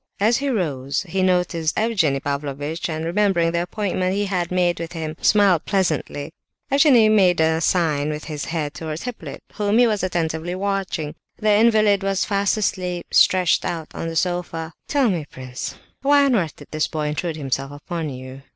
As he rose he noticed Evgenie Pavlovitch, and, remembering the appointment he had made with him, smiled pleasantly. Evgenie Pavlovitch made a sign with his head towards Hippolyte, whom he was attentively watching. The invalid was fast asleep, stretched out on the sofa. "Tell me, prince, why on earth did this boy intrude himself upon you?"